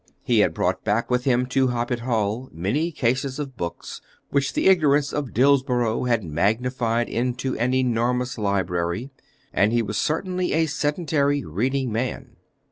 He had brought back with him to Hoppet Hall many cases of books which the ignorance of Dillsborough had magnified into an enormous library, and he was certainly a sedentary, reading man.